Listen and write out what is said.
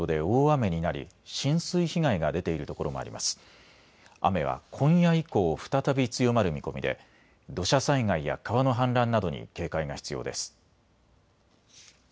雨は今夜以降、再び強まる見込みで土砂災害や川の氾濫などに警戒が必要です。